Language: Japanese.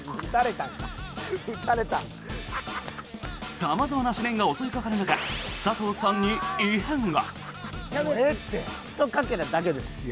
様々な試練が襲いかかる中佐藤さんに異変が。